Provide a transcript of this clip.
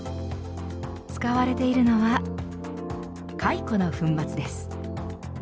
使われているのはカイコの粉末です。